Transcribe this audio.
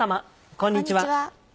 こんにちは。